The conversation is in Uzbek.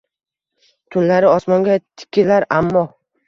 Tunlari osmonga tikilar, ammo